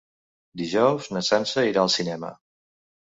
Dijous na Sança irà al cinema.